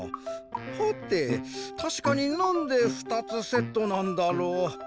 はてたしかになんで２つセットなんだろう？